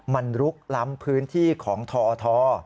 มันลุกล้ำพื้นที่ของทอท